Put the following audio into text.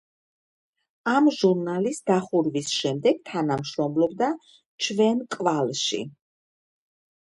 ამ ჟურნალის დახურვის შემდეგ თანამშრომლობდა „ჩვენ კვალში“.